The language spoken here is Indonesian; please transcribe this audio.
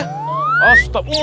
merem matanya pong